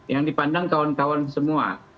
yang dipandang kawan kawan semua